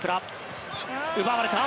奪われた。